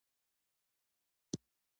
هورمونونه په مستقیم ډول وینې بهیر کې تویېږي.